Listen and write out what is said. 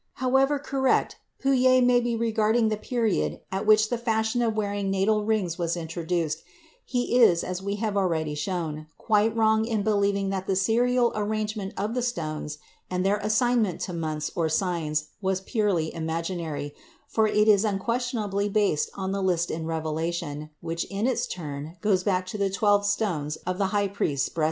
However correct Poujet may be regarding the period at which the fashion of wearing natal rings was introduced, he is, as we have already shown, quite wrong in believing that the serial arrangement of the stones and their assignment to months or signs was purely imaginary, for it is unquestionably based on the list in Revelation, which in its turn goes back to the twelve stones of the high priest's breastplate.